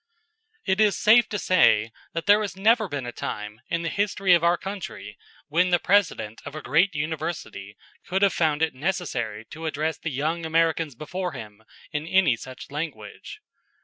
It is safe to say that there has never been a time in the history of our country when the President of a great university could have found it necessary to address the young Americans before him in any such language.